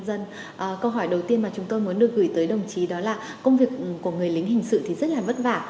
câu hỏi đầu tiên mà chúng tôi muốn được gửi tới đồng chí đó là công việc của người lính hình sự thì rất là vất vả